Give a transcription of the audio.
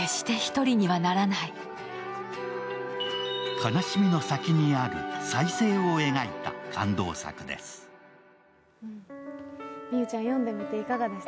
悲しみの先にある再生を描いた感動作です。